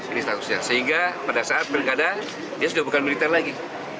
ini statusnya sehingga pada saat pilkada dia sudah bukan militer lagi